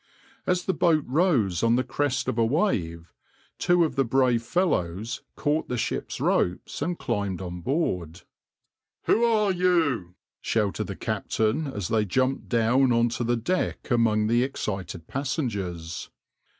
As the boat rose on the crest of a wave, two of the brave fellows caught the ship's ropes and climbed on board. "Who are you?" shouted the captain as they jumped down on to the deck among the excited passengers.